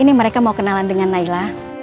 ini mereka mau kenalan dengan naila